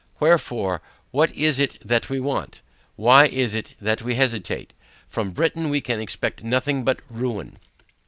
Wherefore, what is it that we want? Why is it that we hesitate? From Britain we can expect nothing but ruin.